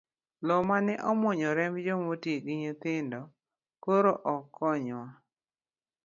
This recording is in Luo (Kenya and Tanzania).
Loo mane omuonyo remb joma oti gi nyithindo, koro ok konywa.